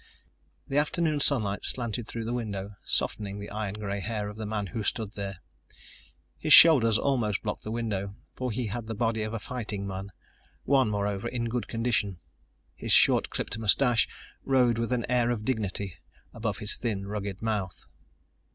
The afternoon sunlight slanted through the window, softening the iron gray hair of the man who stood there. His shoulders almost blocked the window, for he had the body of a fighting man, one, moreover, in good condition. His short clipped mustache rode with an air of dignity above his thin, rugged mouth.